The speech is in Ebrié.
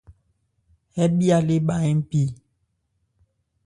Hɛ bhya le bha npi.